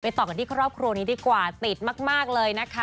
ต่อกันที่ครอบครัวนี้ดีกว่าติดมากเลยนะคะ